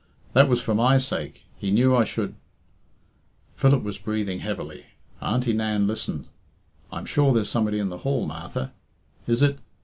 That was for my sake. He knew I should " Philip was breathing heavily. Auntie Nan listened. "I'm sure there's somebody in the hall, Martha. Is it